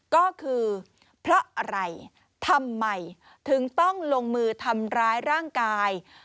ก็คือเพราะอะไรทำไมถึงต้องลงมือทำร้ายร่างกาย